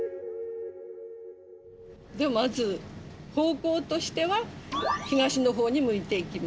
まず方向としては東のほうに向いて行きます。